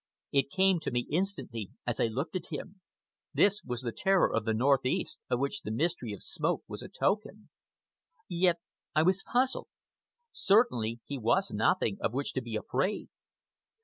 It came to me instantly, as I looked at him. This was the terror of the northeast, of which the mystery of smoke was a token. Yet I was puzzled. Certainly he was nothing of which to be afraid.